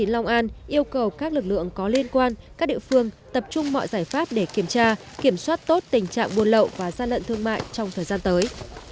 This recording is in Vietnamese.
ba trăm tám mươi chín long an yêu cầu các lực lượng có liên quan các địa phương tập trung mọi giải pháp để kiểm tra kiểm soát tốt tình trạng buôn lậu và gian lận thương mại trong thời gian tới